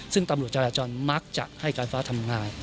ซึ่งตำรวจจราจรมักจะให้การฟ้าทำงาน